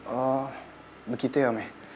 oh begitu ya me